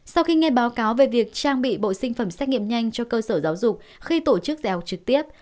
sau khi nghe báo cáo về việc trang bị bộ sinh phẩm xét nghiệm nhanh cho cơ sở giáo dục khi tổ chức dạy học trực tiếp